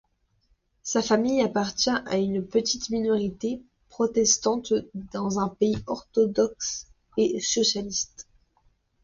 Sa famille appartient à une petite minorité protestante dans un pays orthodoxe et socialiste.